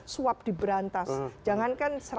suap diberantas jangankan